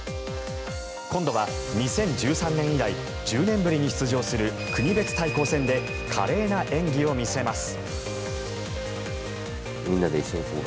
今度は２０１３年以来１０年ぶりに出場する国別対抗戦で華麗な演技を見せます。